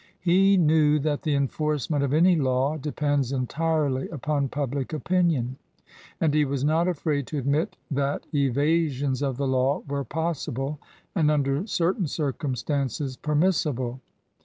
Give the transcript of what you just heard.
He knew that the enforcement of any law de pends entirely upon public opinion, and he was not afraid to admit that evasions of the law were possible and, under certain circumstances, per missible.